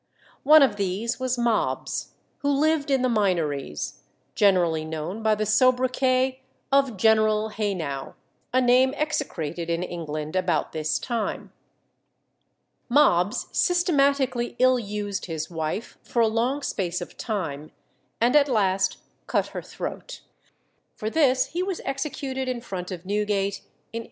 One of these was Mobbs, who lived in the Minories, generally known by the soubriquet of "General Haynau," a name execrated in England about this time. Mobbs systematically ill used his wife for a long space of time, and at last cut her throat. For this he was executed in front of Newgate in 1833.